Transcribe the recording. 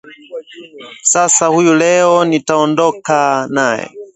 Sasa huyu leo nitaondoka naye